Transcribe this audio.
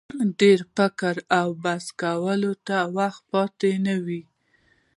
ډېر فکر او بحث کولو ته وخت پاته نه وو.